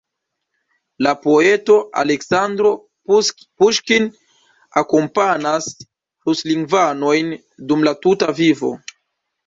La poeto Aleksandro Puŝkin akompanas ruslingvanojn dum la tuta vivo.